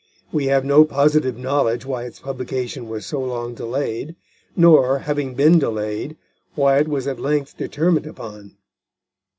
We have no positive knowledge why its publication was so long delayed; nor, having been delayed, why it was at length determined upon.